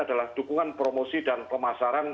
adalah dukungan promosi dan pemasaran